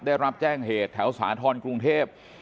ได้รับแจ้งเหตุแถวสาธรณ์กรุงเทพ